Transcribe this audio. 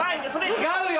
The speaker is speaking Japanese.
違うよ！